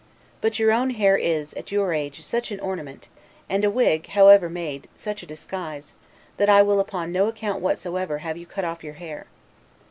But your own hair is, at your age, such an ornament, and a wig, however well made, such a disguise, that I will upon no account whatsoever have you cut off your hair.